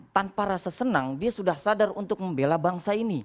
tanpa rasa senang dia sudah sadar untuk membela bangsa ini